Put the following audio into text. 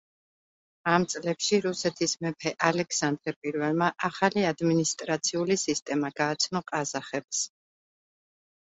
ამ წლებში რუსეთის მეფე ალექსანდრე პირველმა ახალი ადმინისტრაციული სისტემა გააცნო ყაზახებს.